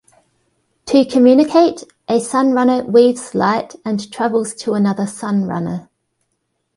To communicate, a Sunrunner weaves light and travels to another Sunrunner.